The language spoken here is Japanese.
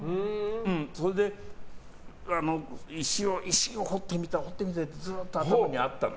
それで石を彫ってみたいってずっと頭にあったの。